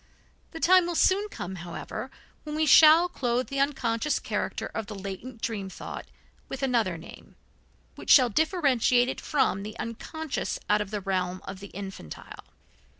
The time will soon come, however, when we shall clothe the unconscious character of the latent dream thought with another name, which shall differentiate it from the unconscious out of the realm of the infantile.